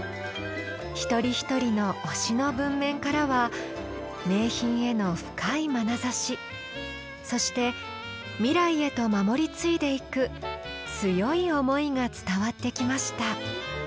一人一人の「推し」の文面からは名品への深いまなざしそして未来へと守り継いでいく強い思いが伝わってきました。